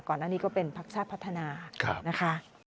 ก่อนอันนี้ก็เป็นพรรคชาติพัฒนานะคะ